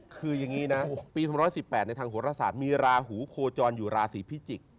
คืออย่างนี้นะปี๒๑๘ในทางโหรศาสตร์มีราหูโคจรอยู่ราศีพิจิกษ์